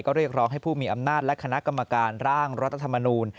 ก็เรียกร้องให้ผู้มีอำนาจและคณะกรรมการร่างรัฐธรรมนูล